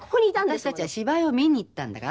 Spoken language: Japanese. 私たちは芝居を見に行ったんだから。